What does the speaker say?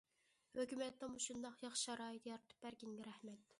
ھۆكۈمەتنىڭ مۇشۇنداق ياخشى شارائىت يارىتىپ بەرگىنىگە رەھمەت.